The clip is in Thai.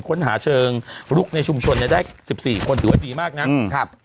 ค้นหาเชิงลุกในชุมชนได้๑๔คนถือว่าดีมากนะ